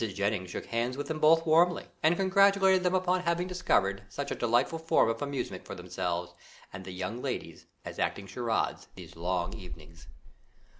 Jennings shook hands with them both warmly, and congratulated them upon having discovered such a delightful form of amusement for themselves and the young ladies as acting charades, these long evenings.